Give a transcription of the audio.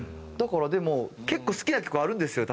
でも結構好きな曲あるんですよ